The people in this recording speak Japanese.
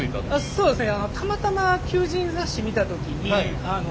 そうですね。